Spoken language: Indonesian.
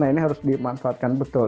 nah ini harus dimanfaatkan betul